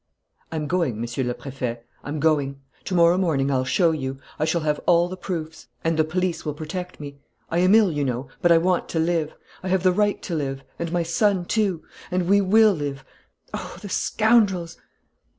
"I'm going, Monsieur le Préfet, I'm going. To morrow morning I'll show you.... I shall have all the proofs.... And the police will protect me.... I am ill, I know, but I want to live! I have the right to live ... and my son, too.... And we will live.... Oh, the scoundrels!